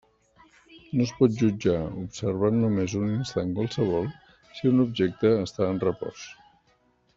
No es pot jutjar, observant només un instant qualsevol, si un objecte està en repòs.